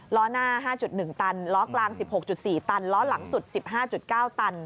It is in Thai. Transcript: ล้อหน้า๕๑ตันล้อกลาง๑๖๔ตันล้อหลังสุด๑๕๙ตัน